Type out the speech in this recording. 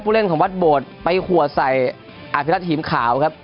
เล่นของวัดโบดไปหัวใส่อภิรัตหิมขาวครับ